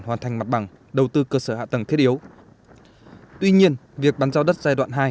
hoàn thành mặt bằng đầu tư cơ sở hạ tầng thiết yếu tuy nhiên việc bán giao đất giai đoạn hai